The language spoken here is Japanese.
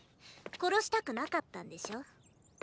殺したくなかったんでしょ？